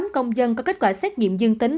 tám công dân có kết quả xét nghiệm dương tính